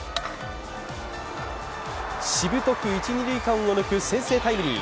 しぶとく一・二塁間を抜く先制タイムリー。